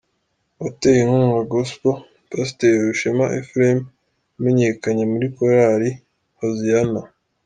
Uwateye inkunga Gospel: Pasiteri Rushema Ephraim wamenyekanye muri Korali Hoziana.